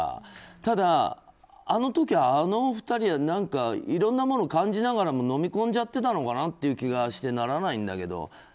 ただ、あの時は、あのお二人はいろんなものを感じながらものみ込んじゃってたのかなという気がしてならないんだけど。